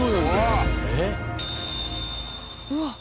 うわっ。